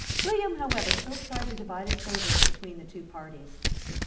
William, however, still tried to divide his favours between the two parties.